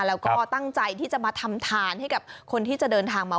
แล้วก็ตั้งใจที่จะมาทำทานให้กับคนที่จะเดินทางมา